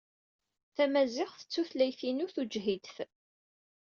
Tamaziɣt d tutlayt-inu tujhidt.